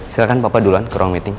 silahkan papa duluan ke ruang meeting